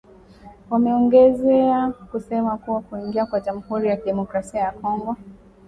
Wameongeza kusema kuwa kuingia kwa jamuhuri ya kidemokrasia ya Kongo